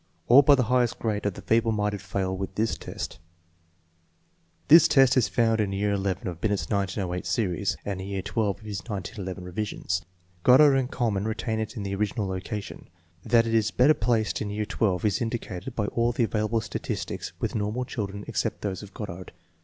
All but the highest grade of the feeble minded fail with this test. This test is found in year XI of Binet's 1908 series and in year XII of his 1911 revision. Goddard and Kuhlmann retain it in the original location. That it is better placed in year XII is indicated by all the available statistics with normal children, except those of Goddard.